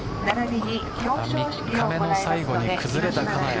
３日目の最後に崩れた金谷